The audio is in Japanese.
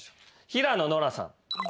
平野ノラさん。